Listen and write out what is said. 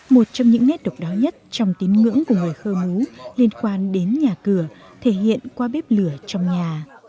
một trong những nét độc đáo nhất trong tín ngưỡng của người khơ mú liên quan đến nhà cửa thể hiện qua bếp lửa trong nhà